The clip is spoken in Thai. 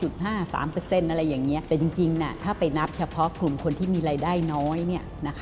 แต่จริงถ้าไปนับเฉพาะกลุ่มคนที่มีรายได้น้อย